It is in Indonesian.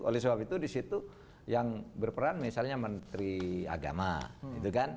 oleh sebab itu disitu yang berperan misalnya menteri agama gitu kan